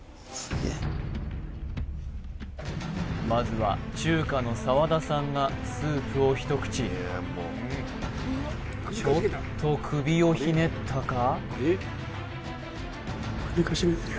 まずは中華の澤田さんがスープを一口ちょっと首をひねったか？